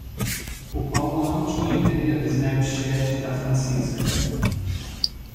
O Paulo não tinha ideia do Snapchat da Francisca